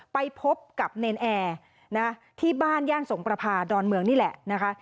ไปพบกับเนรนแอร์นะที่บ้านย่านสงประพาดอนเมืองนี่แหละนะคะ